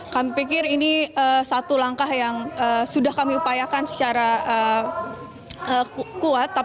kami pikir ini satu langkah yang sudah kami upayakan secara kuat